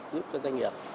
giúp cho doanh nghiệp